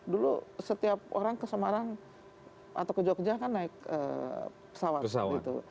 dulu setiap orang ke semarang atau ke jogja kan naik pesawat gitu